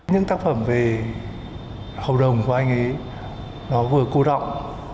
những tác phẩm về hầu đồng của anh ấy nó vừa cô đọng